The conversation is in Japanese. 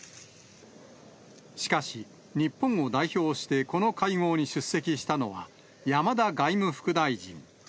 しかし、日本を代表してこの会合に出席したのは、山田外務副大臣。